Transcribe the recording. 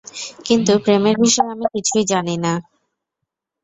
কিন্তু প্রেমের বিষয়ে আমি কিছুই জানি না।